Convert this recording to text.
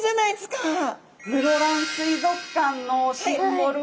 室蘭水族館のシンボル